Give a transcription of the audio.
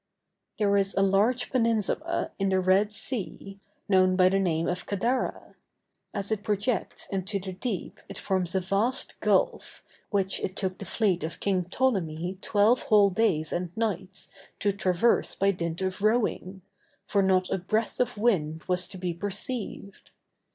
There is a large peninsula in the Red Sea, known by the name of Cadara: as it projects into the deep it forms a vast gulf, which it took the fleet of King Ptolemy twelve whole days and nights to traverse by dint of rowing, for not a breath of wind was to be perceived.